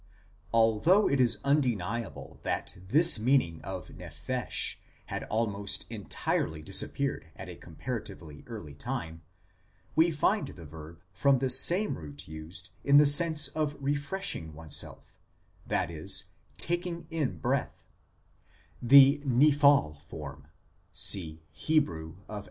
Although it is undeniable that this meaning of nephesh had almost entirely disappeared at a comparatively early time, we find the verb from the same root used in the sense of refreshing 14 IMMORTALITY AND THE UNSEEN WORLD oneself, i.